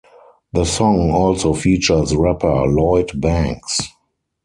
The song also features rapper Lloyd Banks.